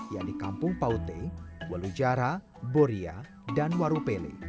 yang di kampung paute walujara boria dan waru peli